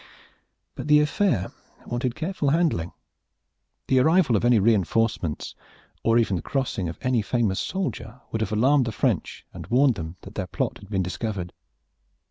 But the affair wanted careful handling. The arrival of any, reinforcements, or even the crossing of any famous soldier, would have alarmed the French and warned them that their plot had been discovered.